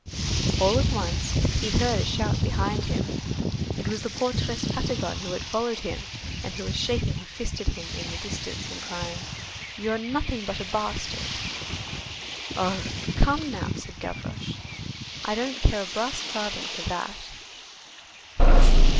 All at once, he heard a shout behind him; it was the portress Patagon who had followed him, and who was shaking her fist at him in the distance and crying:— "You're nothing but a bastard." "Oh! Come now," said Gavroche, "I don't care a brass farthing for that!"